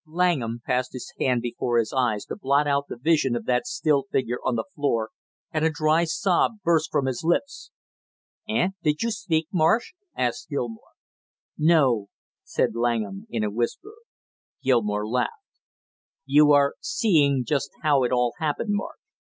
Langham passed his hand before his eyes to blot out the vision of that still figure on the floor, and a dry sob burst from his lips. "Eh, did you speak, Marsh?" asked Gilmore. "No," said Langham in a whisper. Gilmore laughed. "You are seeing just how it all happened, Marsh.